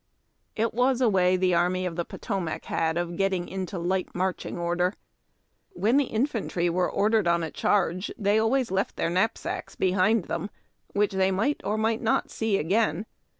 It was a way the Army of the Potomac had of getting into light marching order. When the infantry were ordered in on a charge, they always left their knapsacks behind them, which they might or might not see again.